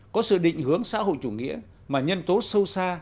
có sự định hướng xã hội chủ nghĩa mà nhân tố sâu xa